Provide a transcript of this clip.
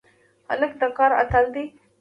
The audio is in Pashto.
هلک د کار اتل دی.